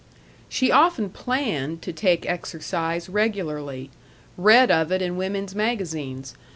She often planned to take exercise regularly; read of it in women's magazines.